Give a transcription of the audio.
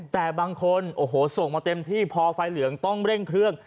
แต่บางคนโอ้โหส่งมาเต็มที่พอไฟเหลืองต้องเร่งเครื่อง